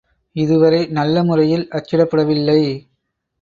இதுவரை நல்ல முறையில் அச்சிடப்படவில்லை.